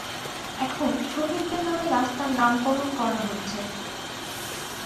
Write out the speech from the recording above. এখন শহীদদের নামে রাস্তার নামকরণ করা হচ্ছে।